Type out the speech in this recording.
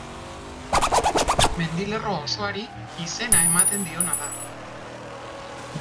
Mendilerro osoari izena ematen diona da.